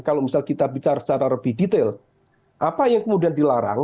kalau misalnya kita bicara secara lebih detail apa yang kemudian dilarang